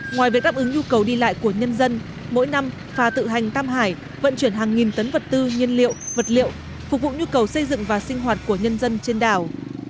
ngoài việc đáp ứng nhu cầu đi lại của nhân dân mỗi năm phà tự hành tam hải vận chuyển hàng nghìn tấn vật tư nhiên liệu vật liệu phục vụ nhu cầu xây dựng và sinh hoạt của nhân dân trên đảo